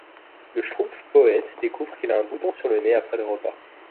Le Schtroumpf poète découvre qu'il a un bouton sur le nez après le repas.